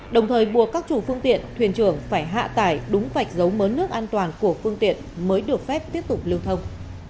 đồng thời buộc các chủ phương tiện thuyền trưởng phải hạ tải đúng vạch dấu mớn nước an toàn của phương tiện mới được phép tiếp tục lưu thông